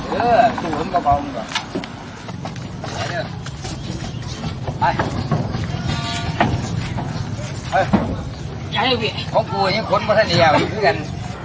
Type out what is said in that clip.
เพราะว่าดูเงินก็บ้าวมันก่อน